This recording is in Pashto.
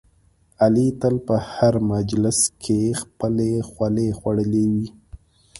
علي تل په هر مجلس کې خپلې خولې خوړلی وي.